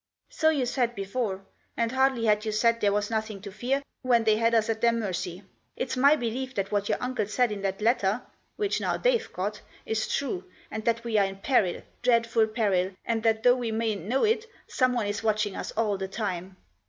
" So you said before, and hardly had you said there was nothing to fear when they had us at their mercy. It's my belief that what your uncle said in that letter — which now they've got — is true, and that we are in peril, dreadful peril, and that though we mayn't know it someone is watching us all the time.